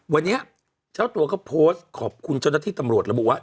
วันนี้เจ้าตัวก็โพสต์ขอบคุณเจ้าหน้าที่ตำรวจระบุว่า